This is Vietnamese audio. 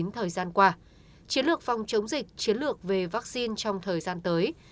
thời gian qua chiến lược phòng chống dịch chiến lược về vaccine trong thời gian tới